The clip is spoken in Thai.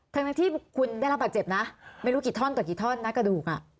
ทั้งที่คุณได้รับบาดเจ็บนะไม่รู้กี่ท่อนต่อกี่ท่อนนะกระดูก